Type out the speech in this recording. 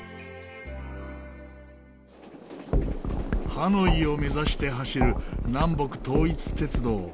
ハノイを目指して走る南北統一鉄道。